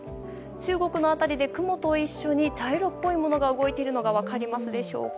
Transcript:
中国の辺りで、雲と一緒に茶色っぽいものが動いているのが分かりますでしょうか。